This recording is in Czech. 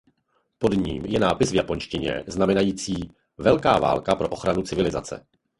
Pod ním je nápis v japonštině znamenající "Velká válka pro ochranu civilizace".